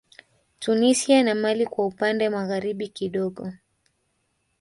Tunisia na mali kwa upande magharibi kidogo